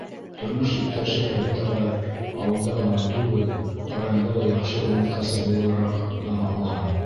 Тормош иптәше Фәрит ағай ауылда ғына түгел, районда ла яҡшы умартасы булараҡ дан алған.